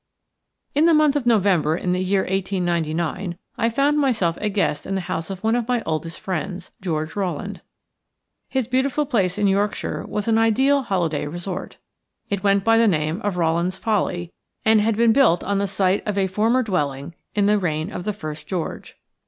N the month of November in the year 1899 I found myself a guest in the house of one of my oldest friends – George Rowland. His beautiful place in Yorkshire was an ideal holiday resort. It went by the name of Rowland's Folly, and had been built on the site of a former dwelling in the reign of the first George.